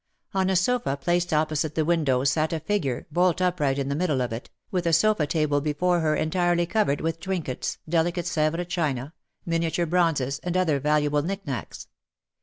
On a sofa placed opposite the windows sat a figure, bolt upright in the middle of it, with a sofa table before her entirely covered with trin kets, delicate Sevre china, miniature bronzes, and other valuable nick nacks.